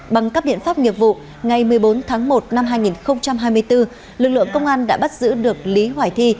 bằng các biện pháp nghiệp vụ ngày một mươi bốn tháng một năm hai nghìn hai mươi bốn lực lượng công an đã bắt giữ được lý hoài thi